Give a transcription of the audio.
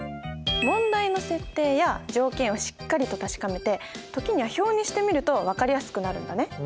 問題の設定や条件をしっかりと確かめてときには表にしてみるとわかりやすくなるんだね。